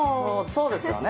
そうですよね。